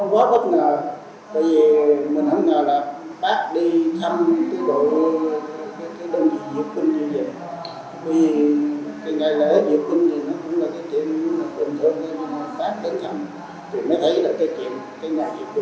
vì cái ngày lễ duyệt binh thì nó cũng là cái chuyện